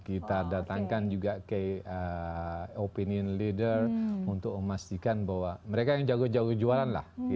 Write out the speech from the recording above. kita datangkan juga ke opinion leader untuk memastikan bahwa mereka yang jago jago jualan lah